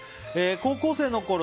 高校生のころ